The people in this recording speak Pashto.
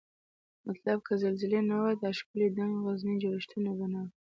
مطلب که زلزلې نه وای دا ښکلي دنګ غرني جوړښتونه به نوای